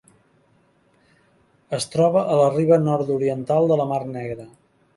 Es troba a la riba nord-oriental de la mar Negra.